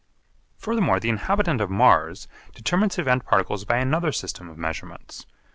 Furthermore the inhabitant of Mars determines event particles by another system of measurements.